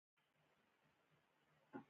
تلیفون هم ګړندي امواج کاروي.